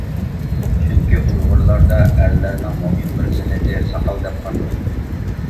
چۈنكى، ئۇيغۇرلاردا ئەرلەرنىڭ مۇھىم بىر زىننىتى ساقال دەپ قارىلىدۇ.